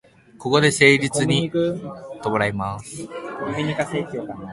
ここで確実に祓います。